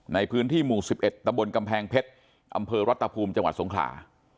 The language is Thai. ในพื้นที่หมู่๑๑ตะบนกำแพงเพชรอำเภอรัตภูมิจังหวัดสงขลา